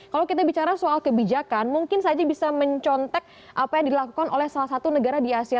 kalau kita bicara soal kebijakan mungkin saja bisa mencontek apa yang dilakukan oleh salah satu negara di asia